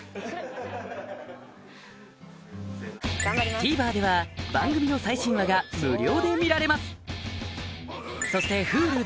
ＴＶｅｒでは番組の最新話が無料で見られます